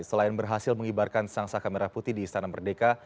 selain berhasil mengibarkan sang sakamera putih di istana merdeka